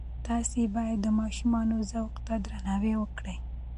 تاسې باید د ماشومانو ذوق ته درناوی وکړئ.